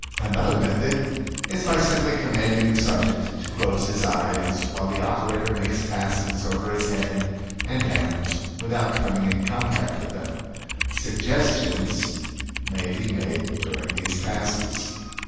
"Another method is by simply commanding the subject to close his eyes, while the operator makes passes over his head and hands without coming in contact with them. Suggestions may be made during these passes.